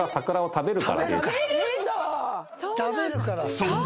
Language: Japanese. ［そう。